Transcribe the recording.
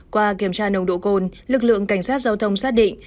qua kiểm tra nồng độ cồn lực lượng cảnh sát giao thông xác định